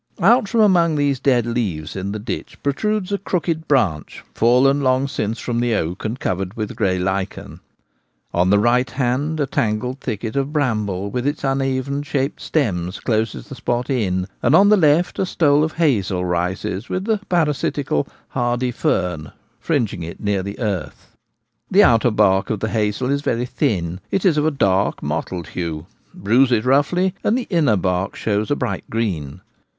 Oct from amef^r these dead leaves in the ditch protrudes a crooked branch fallen long since from the oak, and covered with grey lichen. On the right hand a tangled thicket of bramble with its uneven shaped stems closes the spot in. and on the left a stole of hazel rises with the parasitical *hardy fern ' fring ing it near the earth. The outer bark of the hazel is very thin ; it is of a dark mottled hue ; bruise it roughly, and the inner bark shows a bright green.